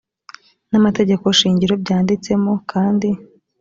namategeko shingiro byanditsemo kandi